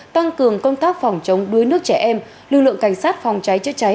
tăng cường công tác phòng chống đuối nước trẻ em lưu lượng cảnh sát phòng cháy chết cháy